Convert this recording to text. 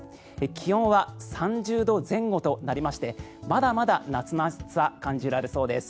気温は３０度前後となりましてまだまだ夏の暑さ感じられそうです。